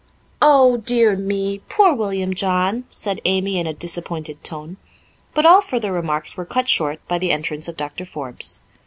"Oh, dear me! Poor William John!" said Amy in a disappointed tone. But all further remarks were cut short by the entrance of Doctor Forbes.